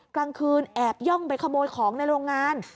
กลางคืนแอบย่องไปขโมยของในโรงงาน